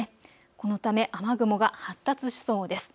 このため雨雲が発達しそうです。